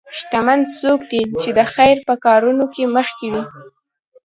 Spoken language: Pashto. شتمن څوک دی چې د خیر په کارونو کې مخکې وي.